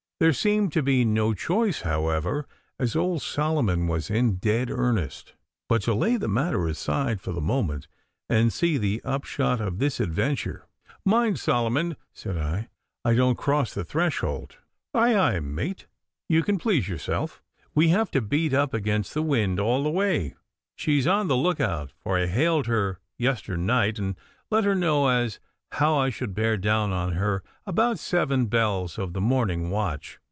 There seemed to be no choice, however, as old Solomon was in dead earnest, but to lay the matter aside for the moment and see the upshot of this adventure. 'Mind, Solomon,' said I, 'I don't cross the threshold.' 'Aye, aye, mate. You can please yourself. We have to beat up against the wind all the way. She's on the look out, for I hailed her yesternight, and let her know as how I should bear down on her about seven bells of the morning watch.